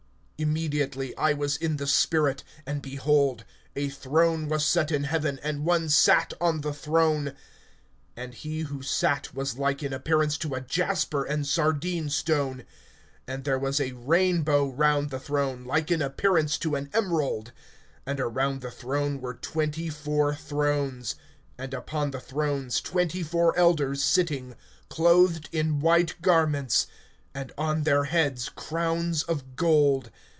(2)Immediately I was in the Spirit; and, behold, a throne was set in heaven, and one sat on the throne. (3)And he who sat was like in appearance to a jasper and sardine stone; and there was a rainbow round the throne, like in appearance to an emerald; (4)and around the throne were twenty four thrones; and upon the thrones twenty four elders sitting, clothed in white garments, and on their heads crowns of gold.